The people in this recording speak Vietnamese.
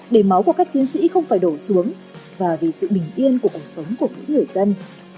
để máu của các chiến sĩ không phải đổ xuống và vì sự bình yên của cuộc sống của mỗi người dân